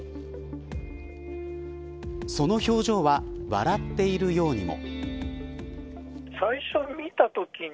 その表情は笑っているようにも。